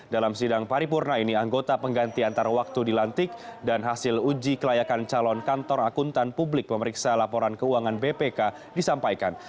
dalam sidang paripurna ini anggota pengganti antar waktu dilantik dan hasil uji kelayakan calon kantor akuntan publik pemeriksa laporan keuangan bpk disampaikan